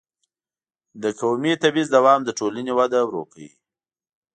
د قومي تبعیض دوام د ټولنې وده ورو کوي.